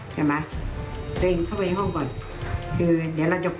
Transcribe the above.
เข้าไปถึงประตูอาฟาร์ดเมดี้ใครไหม